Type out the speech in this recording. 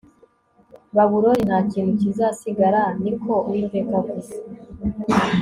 babuloni nta kintu kizasigara ni ko uwiteka avuze